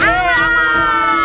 baru bisa hoba sekarang boleh